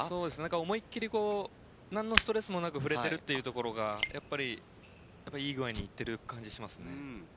思いっきり何のストレスもなく振れているというところがいい具合に行っている感じがしますね。